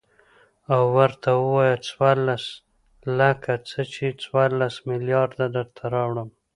او ورته ووايه څورلس لکه څه ،چې څورلس ملېارده درته راوړم.